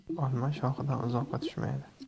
Olma shoxidan uzoqqa tushmaydi.